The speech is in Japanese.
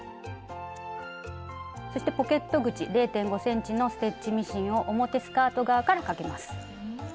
そしてポケット口０．５ｃｍのステッチミシンを表前スカート側からかけます。